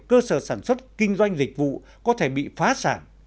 cơ sở sản xuất kinh doanh dịch vụ có thể bị phá sản